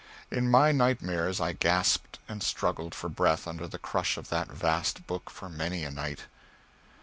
In my nightmares I gasped and struggled for breath under the crush of that vast book for many a night.